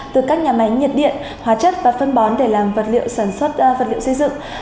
từ các nhà máy nhiệt điện hóa chất và phân bón để làm vật liệu sản xuất vật liệu xây dựng